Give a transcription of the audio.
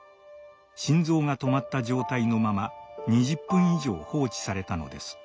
心臓が止まった状態のまま２０分以上放置されたのです。